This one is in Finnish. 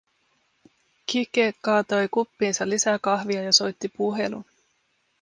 Quique kaatoi kuppiinsa lisää kahvia ja soitti puhelun.